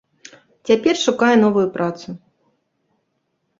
Цяпер шукае новую працу.